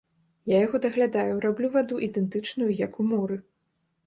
Я яго даглядаю, раблю ваду ідэнтычную, як у моры.